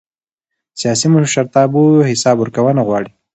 سیاسي مشرتابه حساب ورکونه غواړي